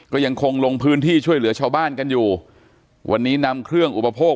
ก็ยังคงลงพื้นที่ช่วยเหลือชาวบ้านกันอยู่วันนี้นำเครื่องอุปโภค